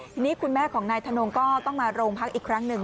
ทีนี้คุณแม่ของนายธนงก็ต้องมาโรงพักอีกครั้งหนึ่ง